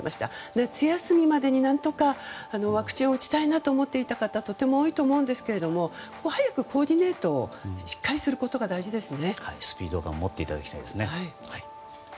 夏休みまでに何とかワクチンを打ちたいと思っていた方とても多いと思うんですが早くコーディネートをしっかりすることが大事ですね。